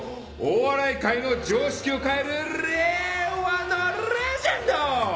お笑い界の常識を変える令和のレジェンド！